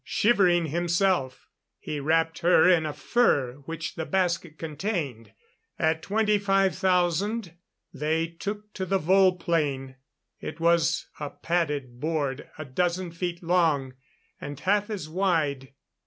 Shivering himself, he wrapped her in a fur which the basket contained. At 25,000, they took to the vol plan. It was a padded board a dozen feet long and half as wide.